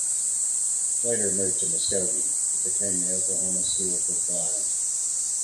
Later moved to Muskogee, it became the Oklahoma School for the Blind.